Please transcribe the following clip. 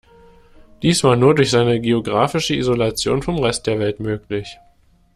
Dies war nur durch seine geografische Isolation vom Rest der Welt möglich.